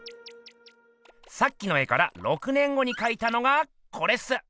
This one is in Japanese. さっきの絵から６年後にかいたのがこれっす！